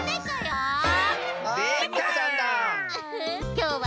きょうは。